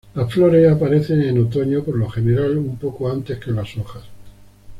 Las flores aparecen en otoño, por lo general un poco antes que las hojas.